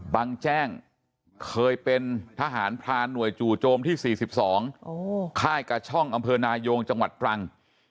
บางแจ้งเคยเป็นทหารพรานหน่วยจู่โจมที่๔๒ค่ายกาช่องอำเภอนายงจังหวัดตรัง